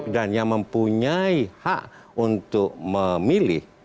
dan yang mempunyai hak untuk memilih